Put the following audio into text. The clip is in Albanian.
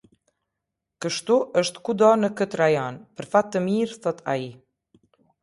Kështu është kudo në këtë rajon, për fat të mirë, thotë ai.